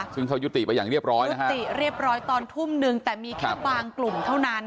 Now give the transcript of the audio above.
ซึ่งเขายุติไปอย่างเรียบร้อยตอนทุ่มหนึ่งแต่มีแค่บางกลุ่มเท่านั้น